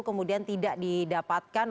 kemudian tidak didapatkan